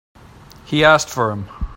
He asked for him.